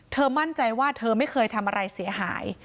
มั่นใจว่าเธอไม่เคยทำอะไรเสียหาย